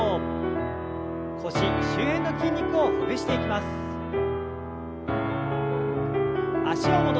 腰周辺の筋肉をほぐしていきます。